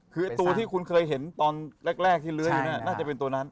คือตัวที่คุณเคยเห็นตอนแรกที่เลื้อยอยู่เนี่ยน่าจะเป็นตัวนั้น